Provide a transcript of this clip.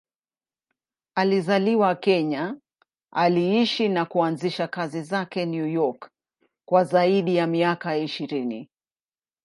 Alizaliwa Kenya, aliishi na kuanzisha kazi zake New York kwa zaidi ya miaka ishirini.